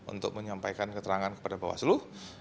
untuk menyampaikan keterangan kepada bawaslu